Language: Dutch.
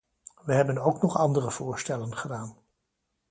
We hebben ook nog andere voorstellen gedaan.